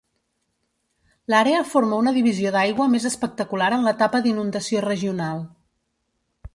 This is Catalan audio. L'àrea forma una divisió d'aigua més espectacular en l'etapa d'inundació regional.